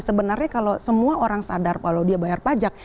sebenarnya kalau semua orang sadar kalau dia bayar pajak